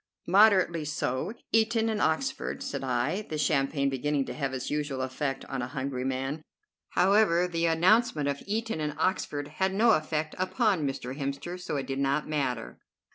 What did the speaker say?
"Moderately so. Eton and Oxford," said I, the champagne beginning to have its usual effect on a hungry man. However, the announcement of Eton and Oxford had no effect upon Mr. Hemster, so it did not matter.